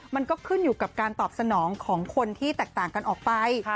มันก็ขึ้นอยู่กับการตอบสนองของคนที่แตกต่างกันออกไป